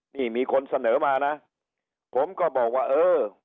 นี่มีคนเสนอมานะผมก็บอกว่าเออ